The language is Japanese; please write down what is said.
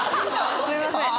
すみません。